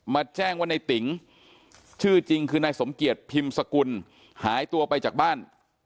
แจ้งว่าในติ๋งชื่อจริงคือนายสมเกียจพิมพ์สกุลหายตัวไปจากบ้าน